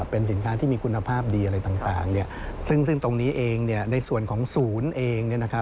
เป็นสินค้าที่มีคุณภาพดีอะไรต่างซึ่งตรงนี้เองในส่วนของศูนย์เอง